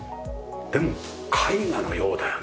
でも絵画のようだよね。